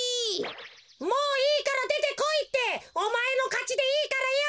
もういいからでてこいっておまえのかちでいいからよ！